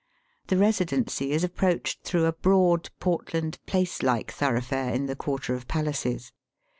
The Eesidency is approached through a broad Portland Place like thoroughfare in the Quarter of Palaces.